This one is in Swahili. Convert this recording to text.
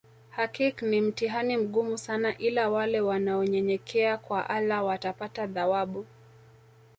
Hakik ni mtihani mgumu sana ila wale wanaonyenyekea kw allah watapata thawabu